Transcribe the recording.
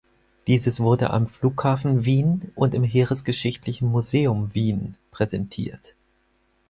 Dieses wurde am Flughafen Wien und im Heeresgeschichtlichen Museum Wien präsentiert.